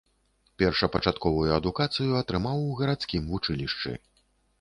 Першапачатковую адукацыю атрымаў у гарадскім вучылішчы.